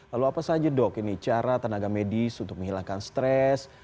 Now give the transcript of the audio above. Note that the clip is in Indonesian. lalu apa saja dok ini cara tenaga medis untuk menghilangkan stres